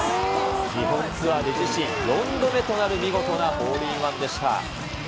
日本ツアーで自身４度目となる見事なホールインワンでした。